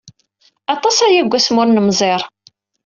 Aṭas aya seg wasmi ur nemmẓir.